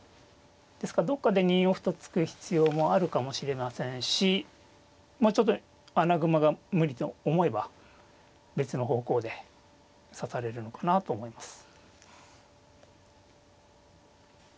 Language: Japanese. ですからどっかで２四歩と突く必要もあるかもしれませんしちょっと穴熊が無理と思えば別の方向で指されるのかなと思います。